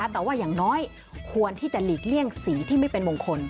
แต่ว่าอย่างน้อยควรที่จะหลีกเลี่ยงสีที่ไม่เป็นมงคล